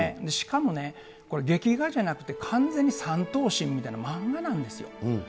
しかもね、これ、劇画じゃなくて、完全に三頭身みたいな漫画なんですよ。